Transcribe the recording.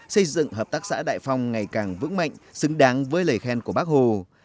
xây dựng hợp tác xã đại phong ngày càng vững mạnh xứng đáng với lời khen của bác hồ